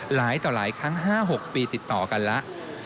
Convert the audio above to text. หลายต่อหลายครั้ง๕๖ปีติดต่อกันแล้ว